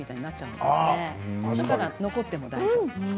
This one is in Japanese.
だから残っても大丈夫。